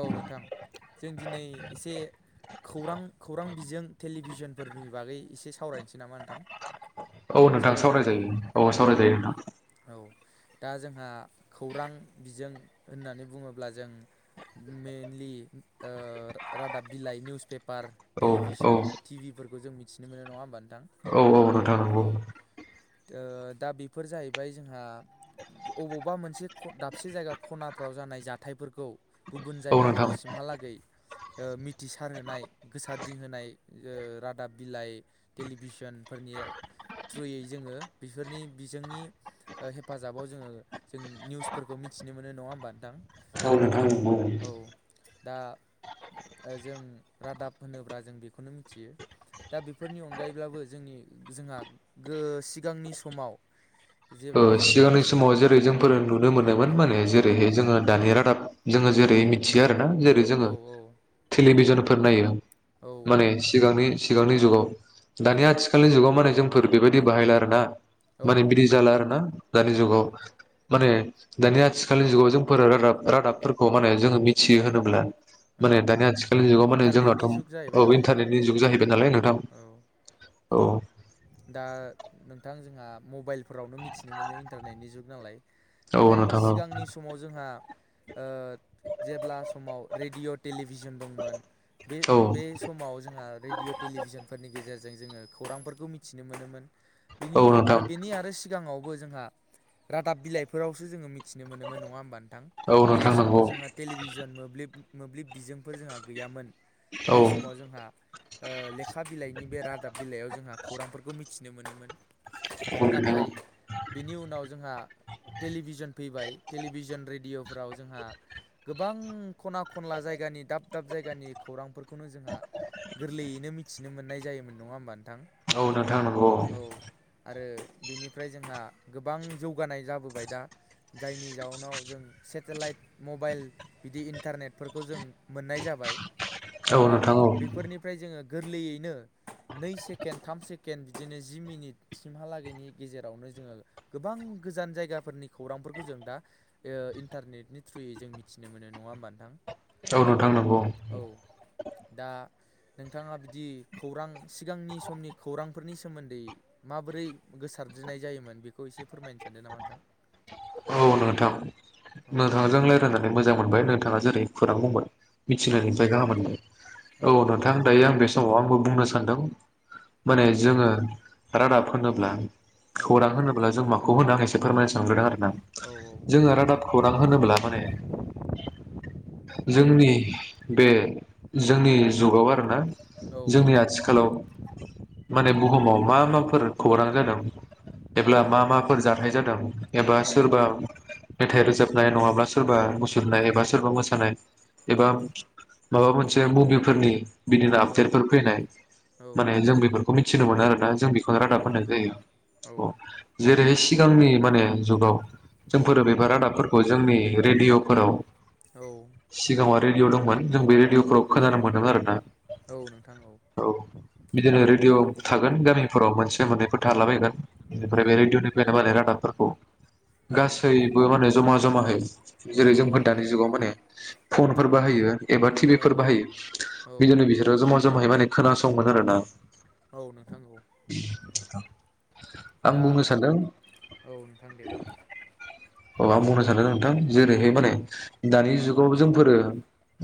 औ नोंथां जों दिनै एसे खौरां खौरां बिजों टेलिभिसजोनफोरनि बागै एसे सावरायनोसै नामा नोंथां? औ नोंथां सावराय सावरायजागोन ना? जायो औ सावराय जायो नोंथां। औ दा जोंहा खौरां बिजों होननानै बुङोब्ला जों मेनलि ओ रादाब बिलाइ निउस पेपार नोंथां औ टेलिभिसन टिभि फोरखौ जों मिनथिनो मोनो नङा होमबा नोंथां? औ औ नोंथां औ नंगौ ओ दा बेफोर जाहैबाय जोंहा अबावबा मोनसे खन दाबसे जायगा खनाफ्राव जानाय जाथायफोरखौ गुबुन औ नोंथां जायगाफोरसिम हालागै ओ मिथिसारहोनाय गोसार दिंहोनाय ओ रादाब बिलाइ टेलिभिसनफो फोरनिया थ्रुयै जोङो बिफोरनि बिजोंनि ओ हेफाजाबाव जोङो जों निउसफोरखौ मिनथिनो [unintelligible] नो मोनो नङा होमबा नोंथां औ नोंथां नंगौ औ दा ओ जों रादाब होनोब्ला जों बेखौनो मिनथियो दा बेफोरनि अनगायैब्लाबो जोंनि जोंहा गो सिगांनि समाव ओ जेब्ला जेब्ला सिगांनि समाव जेरै औ जोंफोर नुनो मोनोमोन माने औ जेरैहाय जोङो दानि रादाब जोङो जेरै मिथियो आरो ना जेरै औ जोङो टेलिभिजनफोर नायो औ माने सिगांनि सिगांनि जुगाव औ दानि आथिखालनि जुगाव माने जों फोर बेबायदि बाहायला आरोना औ माने नोंथां बिदि औ जाला आरोना औ दानि जुगाव औ माने दानि आथिखालनि जुगाव जोंफोर रादाब रादाबफोरखौ माने जोङो मिथियो होनोब्ला माने औ दानि आथिखालनि जुगाव माने जोंनाथ' इन्टारनेटनि जुग जाहैबाय औ नालाय नोंथां इन्टारनेटनि औ जुग जाहैबाय नालाय नोंथां औ औ दा नोंथां जोंहा मबाइलफोरावनो मिनथिनो मोनो इन्टारनेटनि जुग नालाय औ नाथाय नोंथां औ सिगांनि समाव जोंहा ओ जेब्ला समाव रेडिअ' टेलिब भिजोन दंमोन बे औ बे समाव जोंहा रेडिअ' टेलिभिसनफोरनि गेजेर जों जोङो खौरांफोरखौ मिनथिनो मोनोमोन बिनि औ नोंथां आरो बेनि आरो सि सिगांङावबो जोंहा रादाब बिलायफोरावसो जोङो मि थिनो मोनोमोन नङा होम्बा नोंथां औ जे नोंथां समाव नंगौ जोंहा टेलिभिजन मोब्लिब मोब्लिब बिजोंफोर जोंहा गैयामोन बे औ समाव औ जोंहा ओ लेखा बिलायनि बे रादाब बिलायाव जोंहा खौरांफोरखौ मिनथिनो मोनोमोन। नाथाय [unintelligible] बिनि उनाव जोंहा टेलिभिजोन फैबाय टेलिभिजोन रेडिअ' फोराव जोंहा गोबां खना खनला जायगानि दाब दाब जायगानि खौरांफोर खौनो जोंहा गोरलैयैनो मिथिनो मोननाय जायोमोन नङा होमबा नोंथां औ नोंथां नोंगौ औ। आरो बिनिफ्राय जोंहा गोबां जौगानाय जाबोबाय दा। जायनि जाहोनाव जों सेटेलायट मबायल बिदि इन्टारनेटफोरखौ जों मोननाय जाब बाय दा औ नोंथां औ बेफोरनिफ्राय जोङो गोरलैयैनो नै सेकेन्द थाम सेकेन्द बिदिनो जि मिनिट सिमहालागैनि गेजेरावनो जोङो गोबां गोजान जायगाफोरनि नि खौरांफोरखौ जों दा ओ इन्टारनेटनि थ्रुयै जों मिथिनो मोनो नङा होमबा नोंथां। औ नोंथां नोंगौ। औ दा नोंथाङा बिदि खौरां सिगांनि समनि खौरांफोरनि सोमोन्दै माबोरै गोसारज्रिनाय जायोमोन बेखौ एसे फोरमायनो सानदो नामा नोंथां। [inaudible] औ नोंथां औ नोंथांजों रायलायनानै मोजां मोनबाय नोंथाङा जेरै खौरां बुंबाय। औ मिथिनायनिफ्राय गाहाम मोनबाय औ नोंथां दायो आं बे समाव आंबो बुंनो सानदों। औ माने जोङो रादाब होनोब्ला औ खौरां होनोब्ला जों माखौ होनो आं एसे फोरमायनो सानग्रोदों आरोना औ जोङो रादाब खौरां होनोब्ला माने औ जोंनि बे जोंनि जुगाव आरोना औ जोंनि आथिखालाव माने बुहुमाव मा मा फोर खौरां जादों एब्ला मा मा फोर जाथाय जादों एबा सोरबा मेथाय रोजाबनाय नङाब्ला सोरबा मुसुरनाय एबा सोरबा मोसानाय। एबा माबा मोनसे मुभिफोरनि बिदिनो औ आपदेतफोर फैनाय। माने औ जों बेफोरखौ मिथिनो मोनो आरोना जों औ बेखौनो रादाब नोंथां होननाय औ जायो। औ अ जेरैय सिगांनि माने जुगाव जोंफोर उम अबेबाफोर रादाबफोरखौ जोंनि रेडिअ'फोराव औ सिगाङाव रेदिअ' दंमोन जों बे रेदि'अफोराव खोनानो मोनोमोन आरोना औ नोंथां औ। बिदिनो रेदिअ' थागोन गामिफोराव मोनसे मोननै फोर थालाबायगोन औ बेनिफ्राय बे रेडिअनिफ्रायनो माने रादाबफोर खौ गासैबो माने जमा जमा हाय जेरै जोंफोर दानि जुगाव माने फुनफोर बाहायो एबा औ टिभिफोर बाहायो बिदिनो बिसोरो जमा जमाहाय माने खोनासङोमोन आरोना। औ नोंथां नंगौ। आं दा बुंनो सानदों औ नोंथां दे बुं। औ आं बुंनो सानदोंमोन नोंथां जेरैहाय माने औ दानि जुग जोंफोरो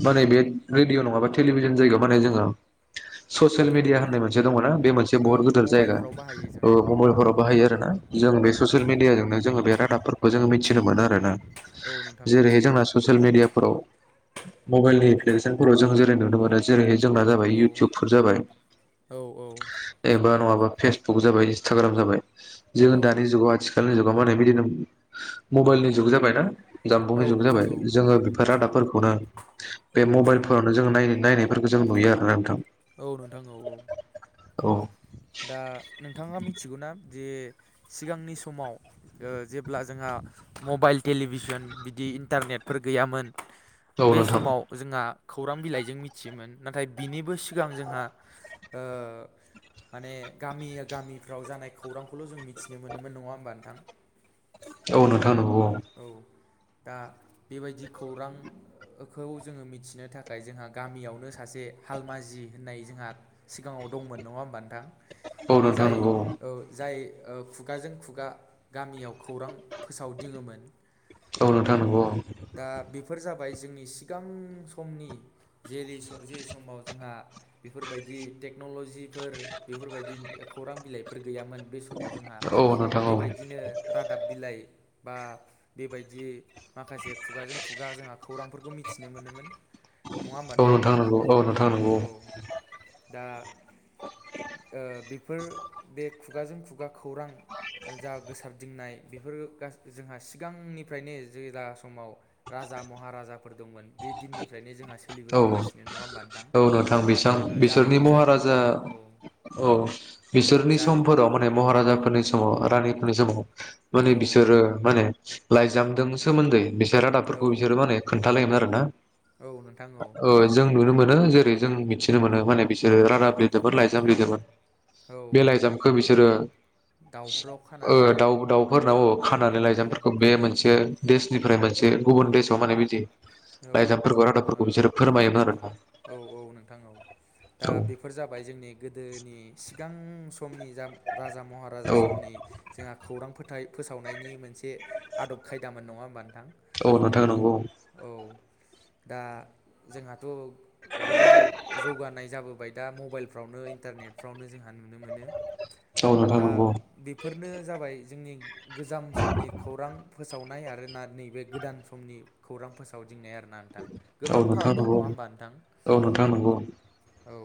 माने बे रेदिअ' नङाबा टेलिभिजन जायगायाव माने जोङो ससियेल मेदिया होननाय मोनसे दङ' ना बे मोनसे ओ बहुत गिदिर जायगा मबाइलफ्राव बाहायो ओ जोङो मबायलफोराव बाहायो आरो ना। जों बे औ ससियेल नोंथां औ मेदियाजोंनो जोङो बे रादाबफोर मिथिनो मोनो आरोना औ नोंथां औ जेरैहाय जोंना ससियेल मेदियाफोराव मबेल [unintelligible] फोराव जों जेरै नुनो मोनो जेरैहाय जोंना जाबाय औ इउटुबफोर जाबाय औ एबा नङाबा फेसबुक जाबाय इन्सटाग्राम जाबाय औ जों दानि जुगाव आथिखालनि जुगाव माने बिदिनो मबायलनि जुग जाबायना औ जानबुंनि जुग नोंथां जाबाय औ जोङो बेफोर रादाबफोरखौनो बे मबायलफोरावनो जों नायनाय नायनायफोरखौ जों नुयो आरोना नोंथां। औ नोंथां औ औ औ दा नोंथाङा मिथिगौना जे सिगांनि समाव ओ जेब्ला जोंहा मबायल टेलिभिजोन बिदि इ-इन्टारनेटफोर गैयामोन। औ बे नोंथां समाव जोंहा खौरां बिलायजों मिथियोमोन नाथाय बिनिबो सि सिगां जोंहा ओ माने गामिया गामिफ्राव जानाय खौरांखौल' जों मिथिनो मोनोमोन नङा होमबा नोंथां। औ नोंथां नोंगौ औ। दा बेबायदि खौरांखौ जोङो मिथिनो थाखाय जोंहा गामियावनो सासे हालमाजि होननाय जोंहा सिगाङाव दंमोन नङा होमबा नोंथां। औ नोंथां जाय नंगौ औ जाय ओ खुगाजों खुगा गामियाव खौरां फोसावदिङोमोन। औ नोंथां नोंगौ औ। दा बेफोर जाबाय जोंनि सिगां समनि जेलि जे समाव जोंहा बेफोरबायदि दि टेक्न'लजिफोर बेफोरबायदि खौरां बिलायफोर गैयामोन बे समाव जोंहा। औ नोंथां औ बेबायदिनो रादाब बिलाय बा बेबायदि माखासे खुगाजों खुगा जोंहा खौरांफोरखौ मिथिनो मोनोमोन नङा होमबा औ नोंथां। नंगौ औ नोंथां नंगौ औ दा ओ बे फोर बे खुगाजों खुगा खौरां जा गोसारदिंनाय बेफोर गासिबो जोंहा सि सिगांनिफ्रायनो जे दा समाव राजा महाराजाफोर दंमोन बे दिननिफ्रायनो जोंहा औ सोलिबोखागासिनो नङा होमबा नोंथां औ नोंथां बिसां ओ बिसोरनि महाराजा जारि-जारिमिनाव औ। औ बिसोरनि जारि समफोराव माने उम दे महाराजाफोरनि समाव रानि नि समाव माने औ बिसोरो माने लायजामदों सोमोन्दै बिसोर रादाबफोरखौ औ बिसोरो माने खोन्थालायोमोन आरोना औ नोंथां औ ओ जों नुनो मोनो जेरै जों मिथिनो मोनो माने बिसोरो रादाब लिरदोंमोन लायजाम लिरदोंमोन। औ बे लायजामखौ बिसोरो दाउफ्राव खानानै ओ दाउ दाउफोरनाव खानानै औ लायजामफोरखौ बे मोनसे देशनि फ्राय मोनसे गुबुन देशाव माने बिदि औ लायजामफोरखौ रादाबफोरखौ ओ बिसोरो फोरमायोमोन आरो। ना औ औ नोंथां औ दा औ बेफोर जाबाय जोंनि गोदोनि सिगां समनि जा राजा महाराजा औ समनि जोंहा खौरांफोर थाय फोसावनायनि मोनसे आदब खायदामोन नङा होमबा। नोंथां औ नोंथां नोंगौ। औ। दा जोंहाथ' गोबां जौगानाय जाबोबाय दा मबायलफ्रावनो इन्टारनेटफ्रावनो जोंहा नुनो मोनो। औ नोंथां दा नंगौ बेफोरनो जाबाय जोंनि गोजाम समनि खौरां फोसाव नाय आरोना नैबे गोदान समनि खौरां फोसाव दिंनाय आरोना नोंथां औ गोबां फाराग नोंथां दं नंगौ नङा होमबा नोंथां। औ नोंथां नंगौ औ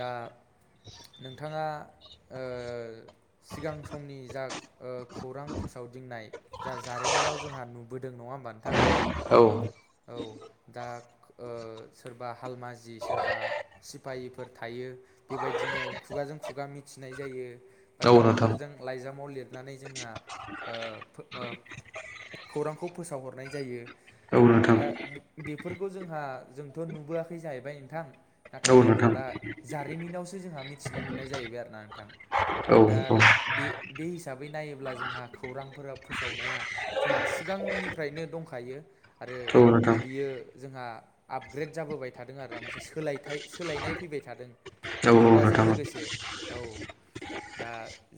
दा नोंथाङा ओ सिगां समनि जा ओ खौरां फोसावदिंनाय जा जारिमिनाव जोंहा नुबोदों नङा होम्बा नोंथां। औ औ दा ओ सोरबा हालमाजि सोरबा सिफायहिफोर थायो बेबायदिनो खुगाजों खुगा मिथिनाय जायो। बा औ नोंथां दाउफोरजों लायजामाव लिरनानै जोंहा ओ फो ओ खौरांखौ फोसावहरनाय जायो औ नोंथां दा बे-बेफोरखौ जोंहा जोंथ' नुबोआखै जाहैबाय नोंथां। नाथाय औ जोंहा नोंथां दा जारिमिनावसो जोंहा मिथिनो मोननाय जाहैबाय आरोना नोंथां। औ दा नोंथां बे-बे हिसाबै नायोब्ला जोंहा खौरांफोराव फोसावनाया जोंहा सि गांनिफ्रायनो दंखायो आरो औ नोंथां औ नोंथां औ नोंथां बियो जोंहा आपग्रेद जाबोबाय थादों आरोना मोनसे सोलायथाय सोलायनाय फैबाय थादों। मुगाजों लोगोसे औ दा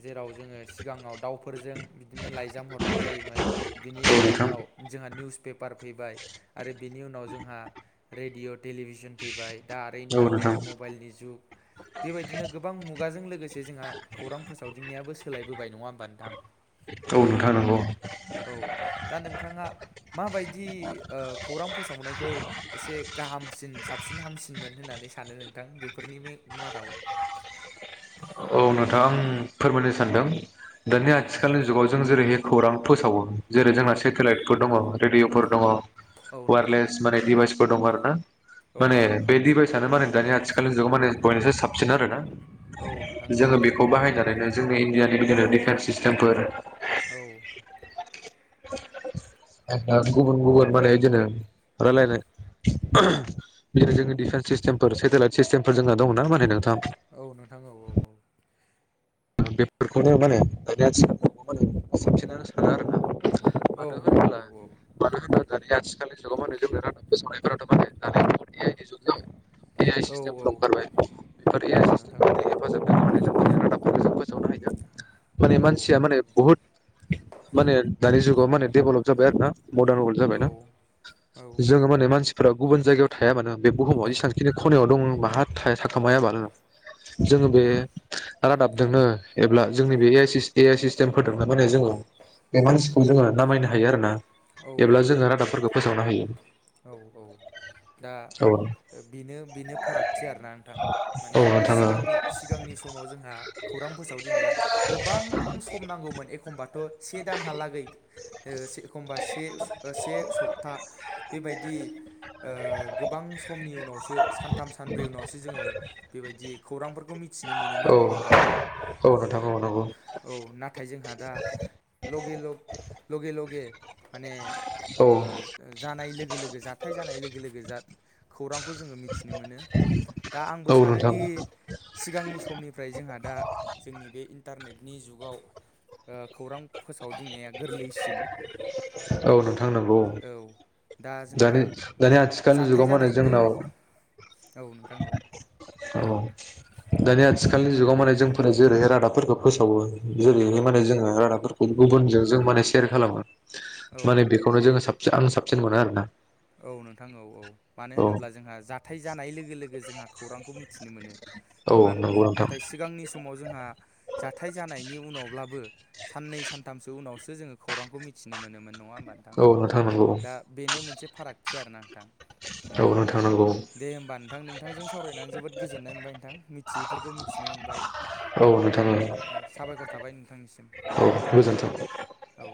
जेराव जोङो सिगाङाव दावफोरजों बिदिनो लाइजाम हरनाय जायोमोन बिनि गेज उनाव जोंहा निउस पेपार फैबाय आरो बिनि उनाव जोंहा रेडिय टेलिभिसन फैबाय दा आरो औ इन्टारनेट मबाइलनि जुग बेबायदिनो गोबां मुगाजों लोगोसे जोंहा खौरां फोसावदिंनायाबो सोलायबोबाय नङा होमबा नोंथां औ नोंथां नोंगौ औ दा नोंथाङा माबायदि ओ खौरां फोसावनायखौ एसे गाहामसिन साब सिन हामसिनमोन होननानै सानो नोंथां बेफोरनि मे मादाव औ नोंथाङा आं फोरमायनो सानदों दानि औ आथिखालनि जुगाव जों जेरैहाय खौरां फोसावो जेरै जोंना औ सेटेलाइटफोर दङ रेडिअफोर दङ औ नोंथां औ वारलेस माने डिभाइसफोर दङ आरो ना। औ माने नोंथां औ बे डिभाइसानो माने दानि आथिखालनि जुगाव माने बयनिसु साबसिन आरोना औ नोंथां औ जोङो बेखौ बाहायनानैनो जोंनि इण्डियानि बिदिनो डिफेन्स सिस्टेमफोर औ गुबुन गुबुन माने इदिनो रायलायनाय बिनो जोंङो डिफेन्स सिस्टेमफोर सेटेलाइट सिस्टेमफोर जोंना दङना मा होनो नोंथां औ नोंथां औ औ औ बेफोरखौनो माने दनिथिगखौबो माने साबसिनानो सानो आरो औ नोंथां औ औ मानो होनोब्ला दानि आथिखालनि जुगाव मा मोनो [unintelligible] ए आइ औ सिस्टेमफोर ओंखारबाय बेफोर ए औ आइ नोंथां सिस्टेमफोर औ हेफाजाब होननानै जों रादाब फोसावनो हायो माने औ मानसिया माने बुहुद माने दानि जुगाव माने डेभलप जाबाय आरो ना मदार्न वभलप जाबायना औ औ जोङो माने मानसिफ्रा गुबुन जायगायाव थाया मानो बे बुहुमाव जेसेबांखिनि खनायाव दङ माहा थाया थाखोमाया मानो जोङो बे रादाबजोंनो एब्ला जोंनि बे ए आइ सिस ए आइ सिस्टेमफोरदोंना माने जोङो बे मानसिखौ जोङो नामायनो हायो आरोना औ जेब्ला नोंथां औ जोङो रादाबफोरखौ फोसावनो हायो। औ औ दा औ ओ बेनो बेनो फारागथि आरोना नोंथां माने औ नोंथां सिगांनि सिगांनि समाव जोंहा खौरां फोसाव फैनाया गोबां सम नांगौमोन एखमबाथ से दानहालागै ओ से एखमबा से सो ओ से सप्ता बेबायदि ओ गोबां समनि उनावसो सानथाम सानब्रै उनावसो जोङो बेबायदि खौरांफोरखौ मिथिनो मोनोमोन औ नङा होमबा नोंथां? औ नोंथां औ नंगौ औ नाथाय जोंहा दा लगे लग लगे लगे माने औ ओ जानाय लोगो लोगो जाथाय जानाय लोगो लोगो जा खौरांखौ जोङो मिथिनो मोनो। दा आंबो औ नोंथां सानोदि सिगांनि समनिफ्राय जोंहा दा जोंनि बे इन्टारनेट नि जुगाव ओ खौरां फोसावदिंनाया गोरलैसिन। औ नोंथां नोंगौ औ दा जोंहा दानि दानि आथिखालनि जाथाय जुगाव मा जानाय होनो ओ जोंनाव औ नोंथां औ औ दानि आथिखालनि जुगाव माने जोंफोर जेरैहाय रादाबफोरखौ फोसावो। औ जेरैहाय माने जोङो रादाबफोरखौ गुबुनजों जों माने सेयार खालामो औ माने बेखौनो जोङो साब आं साबसिन मोनो आरोना। औ नोंथां औ औ मानो औ होनोब्ला जोंहा जाथाय जानाय लोगो लोगो जोंहा खौरांखौ मिथिनो मोनो। औ मान नंगौ नोंथां नाथाय सिगांनि समाव जोंहा जाथाय जानायनि उ उनावब्लाबो साननै सानथामसो उनावसो जोङो खौरांखौ मिथिनो मोनोमोन नङा होमबा नोंथां? औ नंगौ दा बेनो मोनसे फारागथि आरोना। नोंथां औ नोंथां नंगौ दे होमबा नोंथां नोंथांजों सावरायनानै जोबोद गोजोननाय मोनबाय नोंथां मिथियैफोरखौ मिथिनो मोनबाय। औ नोंथां ओ साबायखर थाबाय नोंथांनिसिम औ गोजोन्थों औ